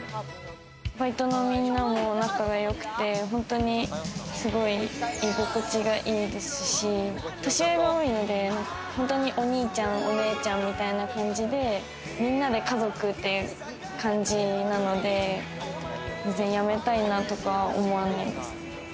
バイトのみんなも仲が良くて、本当にスゴい居心地がいいですし年上が多いので、ほんとにお兄ちゃん、お姉ちゃんみたいな感じでみんなで家族って感じなので、辞めたいなとか思わないです。